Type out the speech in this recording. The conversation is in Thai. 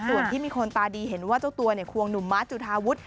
ส่วนที่มีคนตาดีเห็นว่าเจ้าตัวควงหนุ่มมาร์ทจุธาวุฒิ